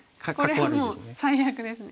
これはもう最悪ですね。